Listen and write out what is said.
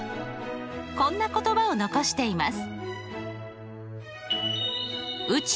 こんな言葉を残しています。